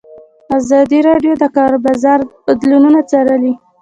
ازادي راډیو د د کار بازار بدلونونه څارلي.